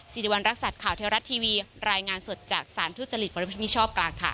สิริวัณรักษัตริย์ข่าวเทวรัฐทีวีรายงานสดจากสารทุจริตประพฤติมิชชอบกลางค่ะ